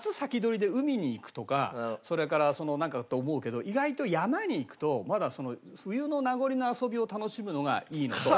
それからなんかって思うけど意外と山に行くとまだ冬の名残の遊びを楽しむのがいいのと。